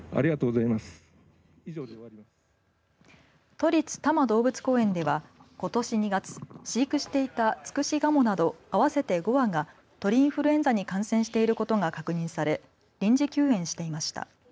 都立多摩動物公園ではことし２月、飼育していたツクシガモなど合わせて５羽が鳥インフルエンザに感染していることが確認され臨時休園していました。